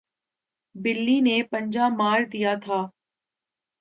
بلی نے پنجہ مار دیا تھا